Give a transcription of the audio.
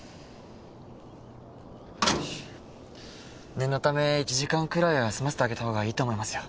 念のため１時間くらいは休ませてあげたほうがいいと思いますよ。